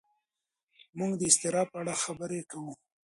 موږ د اضطراب په اړه خبرې کوو.